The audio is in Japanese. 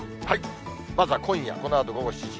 まずは今夜、このあと午後７時。